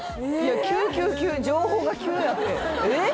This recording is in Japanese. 急急急情報が急やってええっ！？